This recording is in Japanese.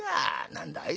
何だい